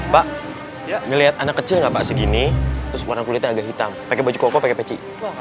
pak ya ngeliat anak kecil nggak pak segini terus warna kulitnya agak hitam pakai baju koko pakai peci